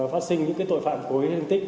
phát sinh những tội phạm cối hình tích